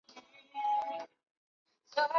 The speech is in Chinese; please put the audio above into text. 诸冢村是位于日本宫崎县北部的一个村。